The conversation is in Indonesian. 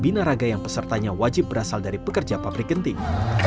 bina raga yang pesertanya wajib berasal dari pekerja pabrik genting